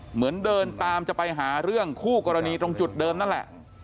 เหมือนเดินตามจะไปหาเรื่องคู่กรณีตรงจุดเดิมนั่นแหละ